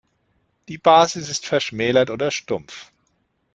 Die Basis ist verschmälert oder stumpf.